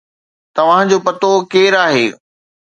توهان جو پتو ڪير آهي؟